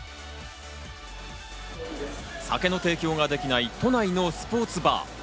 酒の提供ができない都内のスポーツバー。